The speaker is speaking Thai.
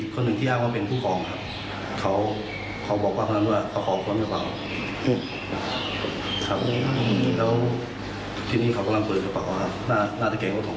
คือผมกำลังบอกให้ป้าเขากินรถไปก่อน